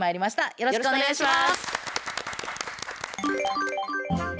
よろしくお願いします。